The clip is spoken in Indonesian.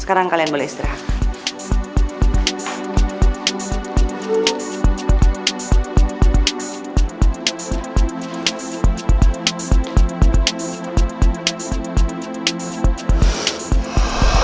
sekarang kalian boleh istirahat